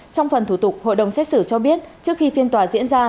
trong phần thủ tục hội đồng xét xử cho biết trước khi phiên tòa diễn ra